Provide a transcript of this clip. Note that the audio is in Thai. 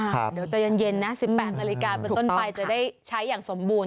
เดี๋ยวใจเย็นนะ๑๘นาฬิกาเป็นต้นไปจะได้ใช้อย่างสมบูรณ